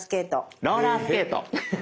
え⁉ローラースケート。